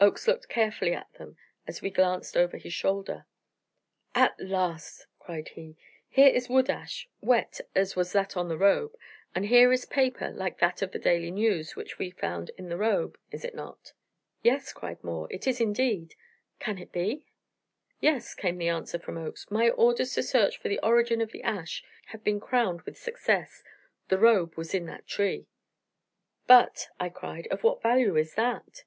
Oakes looked carefully at them as we glanced over his shoulder. "At last!" cried he. "Here is wood ash wet, as was that on the robe; and here is paper like that of the 'Daily News,' which we found in the robe; is it not?" "Yes," cried Moore. "It is indeed can it be?" "Yes," came the answer from Oakes; "my orders to search for the origin of the ash have been crowned with success. The robe was in that tree." "But," I cried, "of what value is that?"